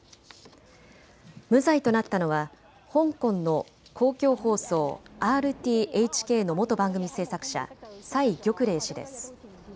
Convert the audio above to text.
無罪となったのは香港の公共放送ＲＴＨＫの元番組制作者、蔡玉玲氏です。